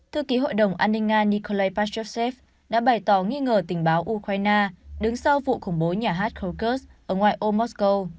thư ký hội đồng an ninh nga nikolai pashchevsev đã bày tỏ nghi ngờ tình báo ukraine đứng sau vụ khủng bố nhà hát korkut ở ngoài ô moscow